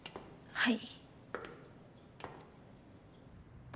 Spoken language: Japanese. はい。